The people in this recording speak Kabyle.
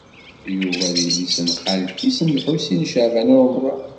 Tinna d yelli-s n xalti-s n Lḥusin n Caɛban u Ṛemḍan.